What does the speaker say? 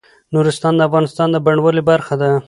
نورستان د افغانستان د بڼوالۍ برخه ده.